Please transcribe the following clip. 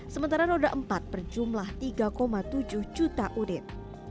sementara roda empat berjumlah tiga tujuh juta unit